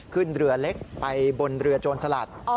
ขึ้นเรือเล็กไปบนเรือโจรสลัด